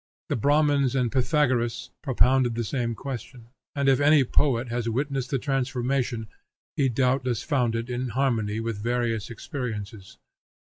The Bramins and Pythagoras propounded the same question, and if any poet has witnessed the transformation he doubtless found it in harmony with various experiences.